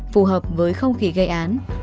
phù hợp với không khí gây án